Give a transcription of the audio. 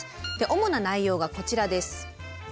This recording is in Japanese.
主な内容がこちらです。